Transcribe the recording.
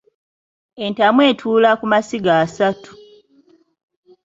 Entamu etuula ku masiga asatu.